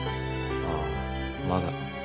あっまだ。